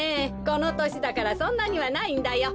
このとしだからそんなにはないんだよ。